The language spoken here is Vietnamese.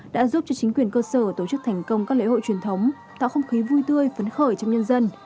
đã giúp cho chính quyền cơ sở tổ chức thành công các lễ hội truyền thống tạo không khí vui tươi phấn khởi trong nhân dân